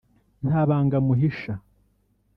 nta banga amuhisha